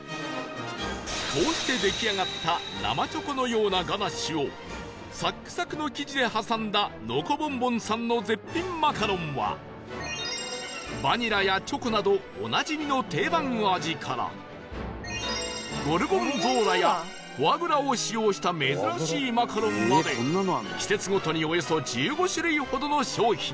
こうして出来上がった生チョコのようなガナッシュをサックサクの生地で挟んだノコボンボンさんの絶品マカロンはバニラやチョコなどおなじみの定番の味からゴルゴンゾーラやフォアグラを使用した珍しいマカロンまで季節ごとにおよそ１５種類ほどの商品が